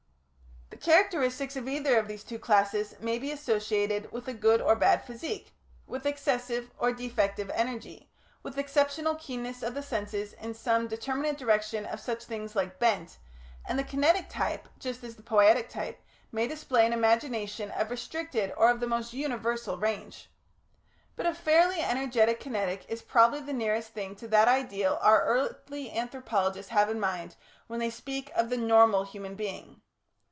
The characteristics of either of these two classes may be associated with a good or bad physique, with excessive or defective energy, with exceptional keenness of the senses in some determinate direction or such like "bent," and the Kinetic type, just as the Poietic type, may display an imagination of restricted or of the most universal range. But a fairly energetic Kinetic is probably the nearest thing to that ideal our earthly anthropologists have in mind when they speak of the "Normal" human being.